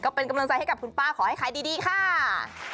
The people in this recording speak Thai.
ก็เป็นกำลังใจให้กับคุณป้าขอให้ขายดีค่ะ